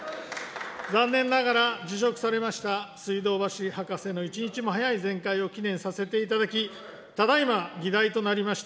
残念ながら、辞職されました水道橋博士の一日も早い全快を祈念させていただき、ただいま議題となりました